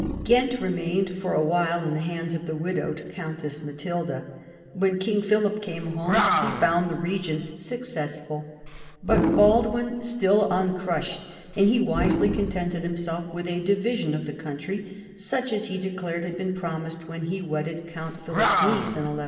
Ghent remained for a while in the hands of the widowed Countess Matilda. When King Philip came home he found his regents successful, but Baldwin still uncrushed, and he wisely contented himself with a division of the country such as he declared had been promised when he wedded Count Philip's niece in 1180.